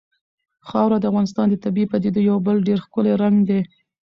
خاوره د افغانستان د طبیعي پدیدو یو بل ډېر ښکلی رنګ دی.